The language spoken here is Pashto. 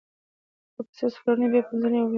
ورپسې څلورنۍ بیا پینځنۍ او بیا جمعه